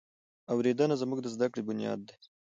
اورېدنه زموږ د زده کړې بنیاد دی.